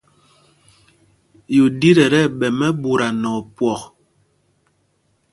Yúɗit ɛ́ tí ɛɓɛ mɛ́ɓuta nɛ opwɔk.